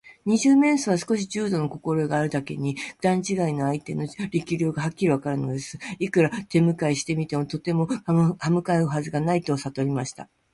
二十面相は少し柔道のこころえがあるだけに、段ちがいの相手の力量がはっきりわかるのです。いくら手むかいしてみても、とてもかなうはずはないとさとりました。